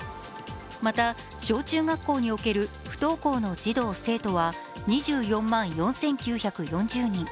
また、小中学校における不登校の児童・生徒は２４万４９４０人。